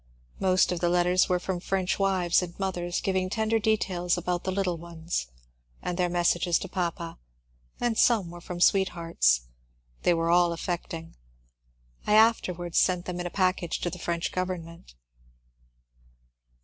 Most of the letters were from French wives and mothers giving tender details about the little ones, and their messages to papa, and some were from sweethearts. They were all affecting. I afterwards sent them in a package to the French government.